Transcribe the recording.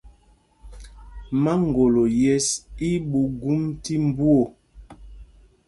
Maŋgolo yes í í ɓuu gum tí mbú o.